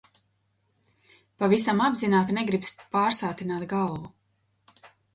Pavisam apzināti negribas pārsātināt galvu.